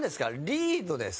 リードですか？